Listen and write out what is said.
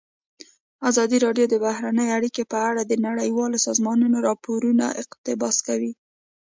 ازادي راډیو د بهرنۍ اړیکې په اړه د نړیوالو سازمانونو راپورونه اقتباس کړي.